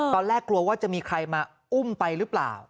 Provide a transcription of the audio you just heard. ตอนแรกกลัวว่าจะมีใครมาอุ้มไปหรือเปล่า